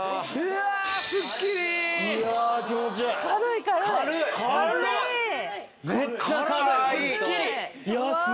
いや気持ちいい。